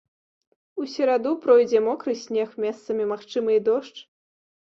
У сераду пройдзе мокры снег, месцамі магчымы і дождж.